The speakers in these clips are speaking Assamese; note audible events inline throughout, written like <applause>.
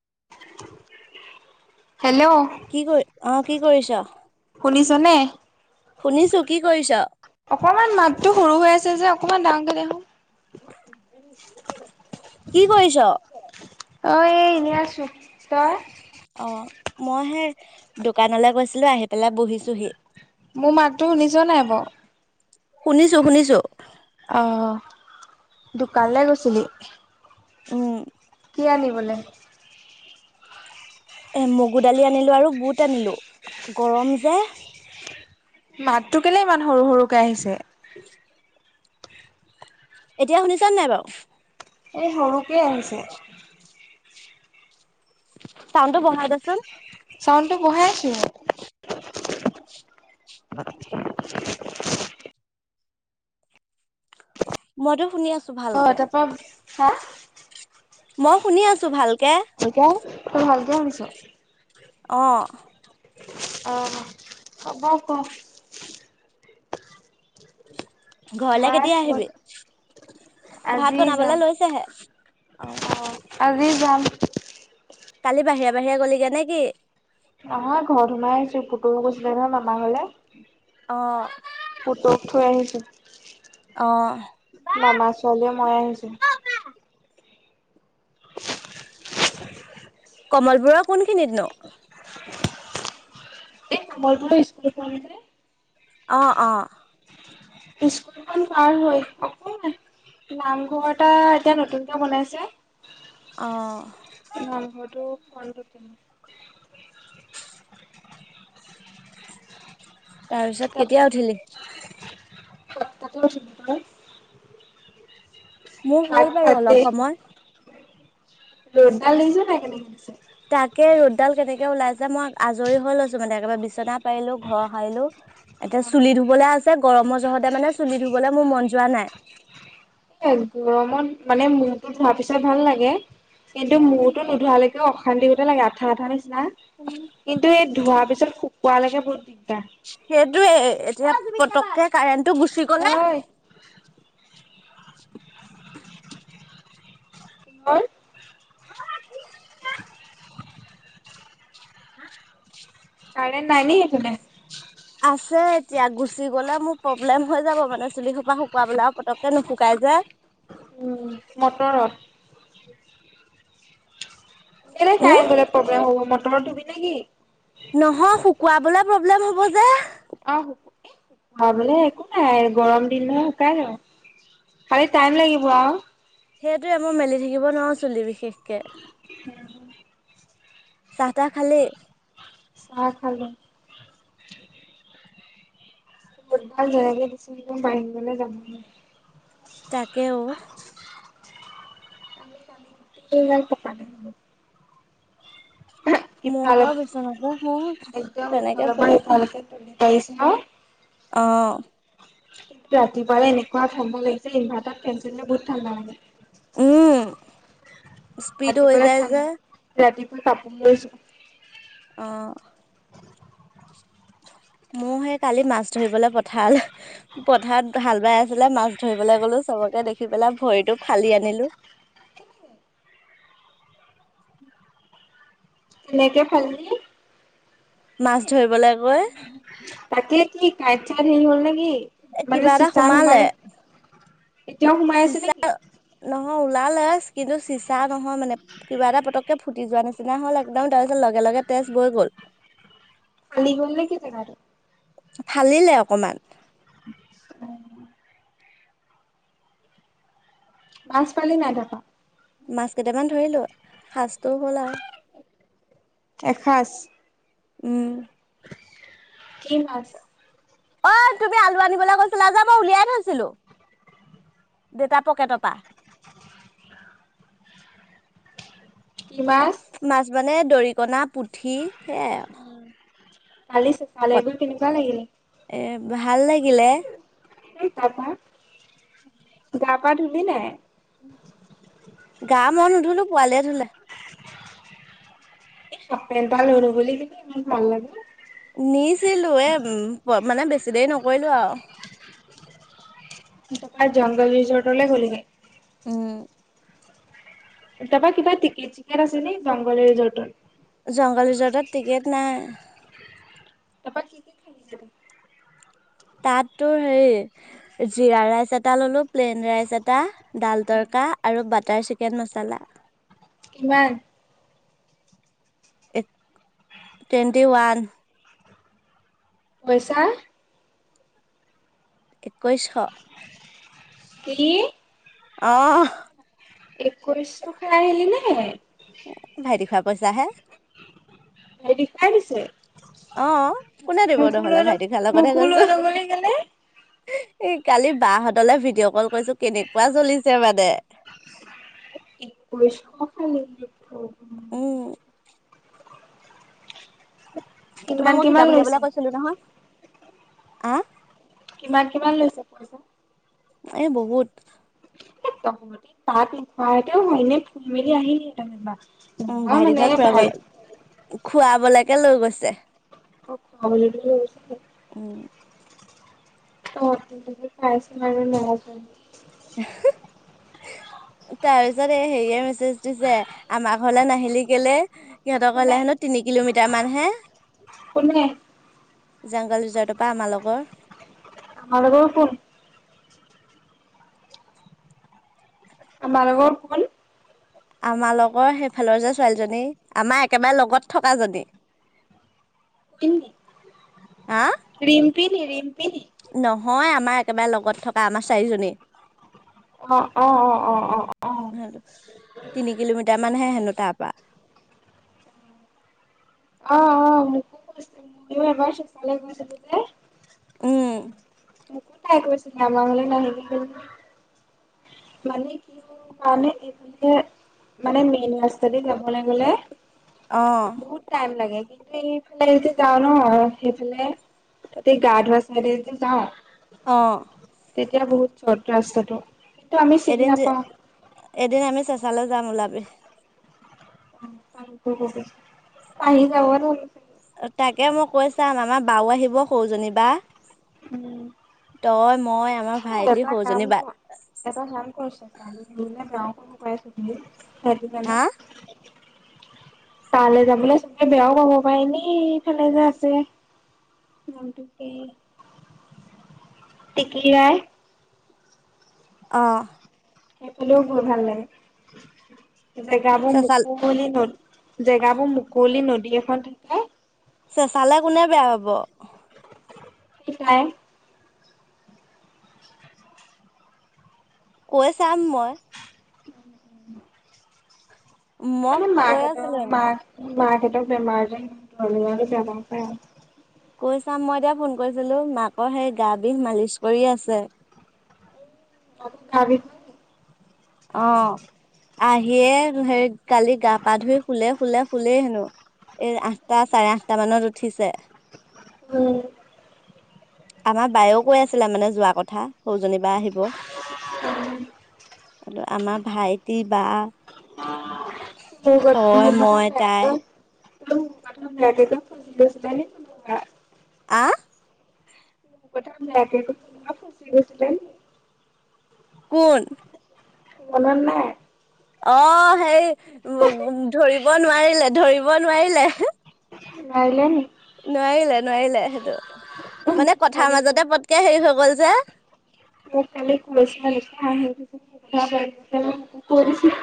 <inaudible> কি কৰি অ কি কৰিছা? মানে শুনিছো কি কৰিছ? অকমান মাততো সৰু হৈ আছে যে অকমান ডাঙৰ কে দে চো কি কৰিছ অ এই এনে আছোঁ তই অ মই সে দোকানলৈ গৈছিলো আহি পেলাই বহিছোহি মোৰ মাতটো শুনিছ নাই বাৰু শুনিছো শুনিছো অঁ দোকানলৈ গৈছিলো। উম কি আনিবলে এ মগু দালি আনিলো আৰু বুট আনিলো গৰম যে মাতটো কেলে ইমান সৰু সৰুকে আহিছে? <inaudible> এতিয়া শুনিছানে নাই বাৰু এই সৰুকেই আহিছে। চাউনটো বঢ়াই দেচোন চাউণ্ডটো বঢ়াইছোৱে মইতো শুনি আছো। আহ ভালকে তাৰপৰা হা মই শুনি আছো ভালকে। এতিয়া তই ভালকে শুনিছ। অঁ আহ হব ক ঘৰলে ভাত কেতিয়া বন আহিবি? ভাত আজি যাম বনাবলে লৈছেহে অ। যাম কালি বাহিৰে বাহিৰে গলগে নে কি নহয় ঘৰত সোমাই আহিছো পুতৌও গৈছিলে নহয় মামা ঘৰলে অঁ পুতৌক থই আহিছো অ মামা ছোৱালীয়ে মই আহিছো কমল পুৰৰ কোনখিনিত নু কমল পুৰ স্কুল খন যে অ অ স্কুলখন পাৰ হৈ অকমান নামঘৰ এটা এতিয়া নতুনকে বনাইছে অ নামঘৰটো <unintelligible> তাৰপিছত তাৰপা কেতিয়া উঠিলি <unintelligible> মোৰ হ'ল বাৰু সাতটাতে অলপ সময় ৰ'দডাল দেখিছ নাই কেনেকে‌ দিছে তাকে ৰ'দডাল কেনেকে ওলাইছে মই আজৰি হৈ লৈছো মানে একেবাৰে বিচনাত পাইলো ঘৰ হাইলো এতিয়া অ চুলি ধুবলে আছে গৰমৰ জহতে মানে চুলি ধুবলৈ মোৰ মন যোৱা নাই এ গৰমত মানে মূৰটো ধোৱা পিছাই ভাল লাগে কিন্তু মূৰতো নোধোৱালৈকে অশান্তি গতে লাগে আঠা আঠা নিচ না কিন্তু এই ধোৱাৰ পিছত শুকুৱালেকে বহুত দিগদাৰ সেইটোয়ে এতিয়া পটককে কাৰেণ্টটো গুচি গ'লে ঐ <unintelligible> কি হ'ল অই কি কৰিছা মা কাৰেণ্টে নাই নি সেইফালে আছে এতিয়া গুচি গ'লে মোৰ প্ৰব্লেম হৈ যাব মানে চুলি সোপা শুকুৱাবলৈ আৰু পতককে নুশুকাই যে উম মটৰত কেলে উম কাৰেণ্ট গলে প্ৰব্লেম হ'ব মটৰ ধুবি নে কি? নহয় শুকুৱাবলে প্ৰব্লেম হ'ব যে অ ভাবিলে একো নাই গৰম দিন ন শুকাই যাব খালি টাইম লাগিব আও সেইটোৱেই মই মেলি থাকিব নোৱাৰো চুলি বিশেষকে চাহ-তাহ খালি চাহ খালো গুডবাই যেনেকে দিছে পাইিবলৈ যাব তাকে অও সেয়াই কপাল মোৰ মোৰ ইফালে বাৰু বিচনাতে শু একদম তেনেকে ইফালৰ পৰা সিফাল কৰি থাকে পাইছ নে অহ ৰাতিপুৱালে এনেকুৱা ঠাণ্ডা লাগিছে ইনভাৰ্টাৰ ফেন চলিলে বহুত ঠাণ্ডা লাগে উম স্পীড হৈ যায় যে মই কাপোৰ লৈছোঁ অ মোৰ সেই কালি মাছ ধৰিবলে পথাৰলে পথাৰত হাল বাই আছে আছিলে মাছ ধৰিবলে গলো চবকে দেখি পেলাই ভৰিটো ফালি আনিলোঁ <unintelligible> কেনেকে ফালিলি মাছ ধৰিবলে গৈ তাকে কি কাইট-চাইট হেৰি হ'ল নে কি মানে কিবা এটা চিচাৰ সোমালে সোমাই এতিয়াও সোমাই আছে নেকি অ ওলালে কিন্তু চিচা নহয় মানে কিবা এটা পতককে ফুটি যোৱা নিচিনা হ'ল একদম তাৰ পিছত লগে-লগে তাতে তেজ বৈ গ'ল কালি গল নেকি চেকাপ ফালিলে অকনমান শুকাই মাছ পালি নাই তাৰপৰা মাছ কেইটামান ধৰিলো সাজটোও হ'ল আৰু এসাঁজ উম কি মাছ? ঐ তুমি আলু আনিবলৈ কৈছিলা যে মই উলিয়াই থৈছিলো। দেউতা পকেটৰ পৰা কিমান মাছ মানে দৰিকনা, পুঠি সেইয়াই আৰু কালি চাল এইবোৰ কেনেকুৱা লাগিলে এ ভাল লাগিলে গা পা ধুলি নাই গা মই নুধলো পোৱালিয়ে ধুলে এ হাফ পেন্ট এটা লৈ ল'ব লাগিব ইমান ভাল লাগিব নিছিলো এ মানে বেছি দেৰি নকৰিলো আৰু তোমাৰ জংঘল ৰিজৰ্টলৈ গ'লিগে উম তাৰপা কিবা টিকেট-চিকেট আছে নি জংঘলৰ ৰিজৰ্টত জংঘল ৰিজৰ্টত টিকেট নাই তাৰপা কি কি খাইছিলি ত তাত তো হেৰি জিৰা ৰাইচ এটা ললো প্লেইন ৰাইচ এটা ডাল তৰকা আৰু বাটাৰ চিকেন মচালা কিমান টুৱেণ্টি ওৱান পইচা একৈছ শ কি অহ একৈশ খাই আহিলি নে অ ভাইটি খোৱা পইচা হে হেতি খাই দিছে অ কোনে দিব মোকো নহলে লৈ ল ভাইটি খালৰ কথা মোকো লৈ কৈছো ল'বলৈ গ'লে এই কালি বাহঁতলে ভিডিঅ' কল কৰছো কেনেকুৱা জ্বলিছে মানে একৈছশ খালি হে ভগৱান উম তোমাক কিমান মই কিমান কিতাপ উলিয়াবলৈ লৈছে কৈছিলো নহয় এ কিমান কিমান লৈছে পইচা এ বহুত এ তহঁতি তাত নখোৱাহেঁতেও হয়নে ঘূৰি আহি <unintelligible> উম ভাইটি খুৰাবলে খুৱাবলৈকে লৈ গৈছে অ খোৱাবলে বুলি লৈ গৈছে উম অ পাইচ ম ন <inaudible> তাৰপিছত এই হেইয়ে মেচ চেজ দিছে আমাৰ ঘৰলৈ নাহিলি কেলে সিহঁতৰ কোনে ঘলে হেনো তিনি কিলোমিটাৰ মান হে <unintelligible> কোনে জাংগল যুজাৰটোৰ পৰা আমাৰ লগৰ ভাল বাৰু কোন মানবৰ ফোন আমাৰ লগৰ সেইফালৰ যে ছোৱালীজনী আমাৰ একেবায়ে লগত থকা জনী উম <unintelligible> ৰিমপি নি ৰিম নহয় আমাৰ একেবায়ে লগত থকা আমাৰ চাৰিজনী অ অ অ অ অ অ তিনি কিলোমিটাৰ মানহে হেনো তাৰপা অ অ ম খব ভাই চাল ভতে <inaudible> উম মোকো তাই কৈছিলে আমাৰ ঘৰলে নাহিলি কেলে মানে কি হ মানে এইফালে মানে মেইন ৰাস্তা দি যাবলৈ গলে অ বহু ম সফালে যদি যাওঁ ন সেইফালে তাতে গা ধুৱা চাইদে যদি যাওঁ অ এতিয়া বহুত চৰ্ৰত ৰাস্তাটো কিন্তু আমি চিনি এদিন যে নাপাওঁ এদিন আমি চেচালে যাম ওলাবি পাৰিলে অ যাম তাকে মই কৈ চাম আমাৰ বাও আহিব সৰুজনী বা উম তই মই আমাৰ ভাইটি এটা কাম সৰুজনী বা কৰ এটা কাম কৰ চেঁচালে যাও পাইছো ত হেতো কাৰণে হা তালে যাবলে চবে বেয়াও পাব পাৰে দেই ইফালে যে আছে নামটো কি? টেকি ৰাই। অহ সেই ফালেও বহুত ভাল লাগে জেগাবোৰ চেচাল মুকলি হল জেগাবোৰ মুকলি নদী এখন থাকে চেচালে কোনে বেয়া পাব অহ শিখায়ে কৈ চাম মই মই মানে কৈ মাকহঁতেও আছিলো এনে মাক মাক তেতিয়া বেমাৰজেন ধৰি লৈ গৈছে এটা এটা কৈ চাম মই এতিয়া ফোন কৰিছিলো মাকৰ সেই গা বিষ মালিচ কৰি আছে। অ তথাপি অঁ অ আহিয়ে হেৰি কালি গা পা ধুই শুলে শুলে শুলেই হেনো এই আঠটা চাৰে আঠটা মানত উঠিছে। উম উ আমাৰ বায়েও কৈ আছিলে মানে যোৱাৰ কথা সৰুজনী বা আহিব আৰু আমাৰ ভাইটি বা স্বাগত, তুমি তই মোক মাতা মই নে তাই আগত তুমি মোক প্ৰাৰ্থনা মেমৰ ওচৰত থৈ দিলে নেকেটা এইটোৰ স্পেলিং আহ আহ ক'ত থাকা তুমি? ইয়াক দেখোন পুৰা খুচি খুচি লে কোন? মনত নাই অহ সেই উম ধৰিব নোৱাৰিলে ধৰিব নোৱাৰিলে আহ নোৱাৰিলে নি? নোৱাৰিলে নোৱাৰিলে সেইটো মানে কথাৰ কালি মাজতে পটকে হেৰি হৈ গল যে মই কালি পইচাৰ হিচাপ কৰিছিল এনেকে কৰিছিল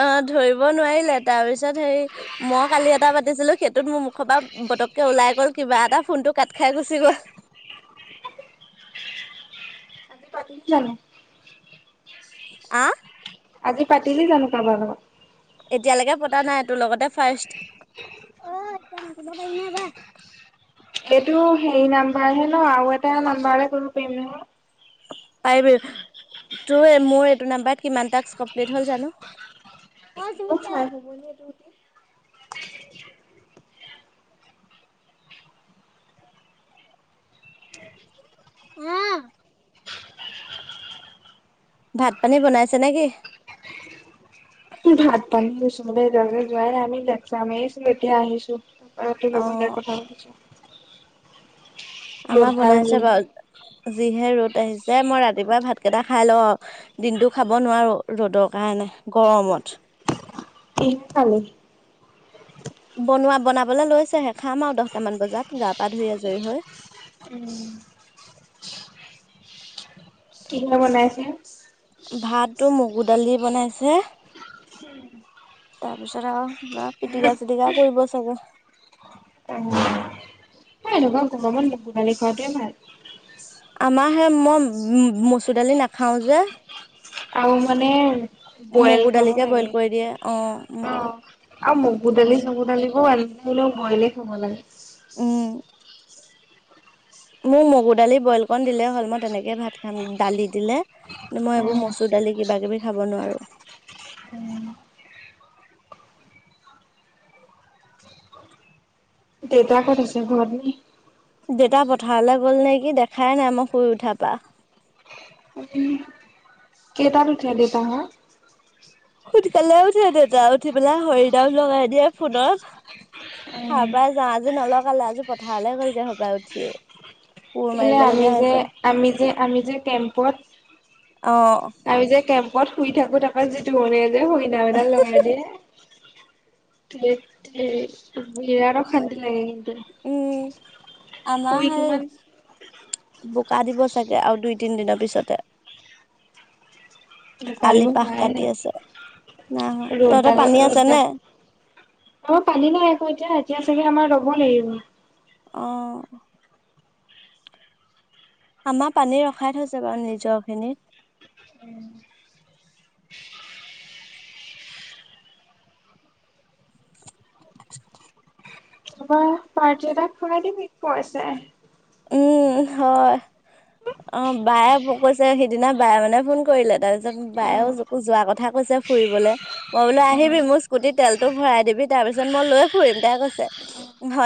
অহ ধৰিব নোৱাৰিলে তাৰ পিছত হেৰি মই কালি এটা পাতিছিলো সে সেইতো মোৰ মুখৰ পৰা পটককে ওলাই গ'ল কিবা এটা ফোনটো কাট খাই গুচি গ'ল <inaudible> <unintelligible> কি জানো? আহ আজি পাতিলি জানো কাৰোবাৰ লগত এতিয়ালৈকে পতা নাই তোৰ লগতে ফাৰ্ষ্ট, উম তই মাতিব পাৰিলিনে এবাৰ চএইটো হেৰি নাম্বাৰ হে ন আৰু এটা নাম্বাৰে কৰিব পাৰিম নহয় তাই বে আহ্ <unintelligible> তোৰ এই মোৰ এইটো নাম্বাৰত কিমান টাস্ক কমপ্লিট হল জানো অহ <unintelligible> চাই আহিব নি এইটো নোটটো উম ভাত-পানী বনাইছে নেকি? হু ভাত-পানী চবে জায়গায় যোৱাই নাই আমি প্লেটফৰ্ম এৰি আছিলো এতিয়া আহিছো। আৰু সেই লগতেই অ' কথা আমাৰ ৰ'দডাল বনাইছে যিহে। বাৰু যিহে ৰ'দ আহিছে মই ৰাতিপুৱাই ভাতকেইটা খাই ল, দিনটো খাব নোৱাৰো ৰ'দৰ কাৰণে গৰমত কি খালি? বনোৱা বনাবলৈ লৈছেহে খাম আৰু দহটামান বজাত গা পা ধুই আজৰি হৈ। উম, কিহে বনাইছে? ভাতটো মগু দালি বনাইছে হম' তাৰ পিছত আৰু পিটিকা চিটিকা কৰিব চাগে। অ' এনেকুৱা গৰমত মগু দালি খোৱাটোৱে ভাল। আমাৰ হে মই উ মচুৰ দালি নাখাওঁ যে। আৰু মানে ব্ৰইল মগু খাব দালিকে বইল লাগে, কৰি দিয়ে অ মোক অহ' আৰু মগু দালি তেনেকে চগু দালি বো এনেকে এনেও ব্ৰইলে খাব লাগে। উম মোক মগু দালি ব্ৰইল কন দিলে হ'ল, মই তেনেকে ভাত খাম দালি দিলে মই এইবোৰ মচুৰ দালি কিবা কিবি খাব নোৱাৰো। দেউতা ক'ত আছে ঘৰত নে? দেউতা পথাৰলৈ গ'ল নেকি, দেখাই নাই মই শুই উঠা পা। কেইটা উঠে দেউতা হত সোনকালে উঠে দেউতা, উঠি পেলাই হৰিনাম লগাই দিয়ে ফোনত। হাৰ পাই যাওঁ, আজি নলগালে আজি পথাৰলৈ গ'লগে হপাই উঠিয়ে। কোৰ কেলে আমি মাৰিবলগীয়া যে হৈছে। আমি যে আমি যে কেম্পত, অ' আমি যে কেম্প পত শুই থাকো তাৰপা যিতু মনিয়ে যে হৰি নাম দাল লগাই দেয়ে। <unintelligible> থেত তেৰি বিৰাদ অশান্তি লাগে। উম শুই কিমান দোকান দিব চাগে আৰু দুই তিন দিনৰ পিছতে। আলি দোকানো পাহ হোৱাই কাটি আছে হোৱা নাই ৰ'দ তহঁতৰ পানী আছে দাল- নে? অহ পানী নাই আকৌ এতিয়া, এতিয়া চাগে আমাৰ ৰব লাগিব। অহ' আমাৰ পানী ৰখাই থৈছে বাৰু নিজৰখিনি। উম' <unintelligible> হবা পাৰ্তি এটা খোৱাই দিবি পইচায়ে। উম হয় অ বায়ে অ কৈছে সিদিনা বায়ে মানে ফোন কৰিলে তা বায়ে উম, যোৱা কথা কৈছে ফুৰিবলৈ, মই বোলা আহিবি মোৰ উম, স্কুটিৰ তেলতো ভৰাই দিবি। তাৰ পিছত মই লৈ ফুৰিম, তাই কৈছে